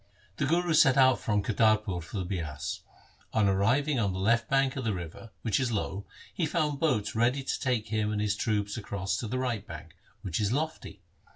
The Guru set out from Kartarpur for the Bias. On arriving on the left bank of the river, which is low, he found boats ready to take him and his troops across to the right bank, which is lofty.